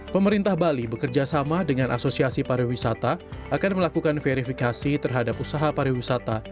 pemerintah bali bekerjasama dengan asosiasi pariwisata akan melakukan verifikasi terhadap usaha pariwisata